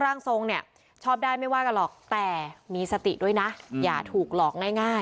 ร่างทรงเนี้ยชอบได้ไม่ว่าหรอกแต่มีด้วยนะอย่าถูกหลอก